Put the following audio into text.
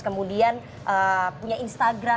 kemudian punya instagram